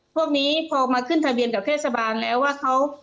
พวกนี้พอมาขึ้นทะเบียนกับเทศบาลแล้วว่าเขา